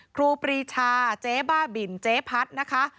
ครูปรีชาเจ๊บ้าบินเจ๊พัดนะคะ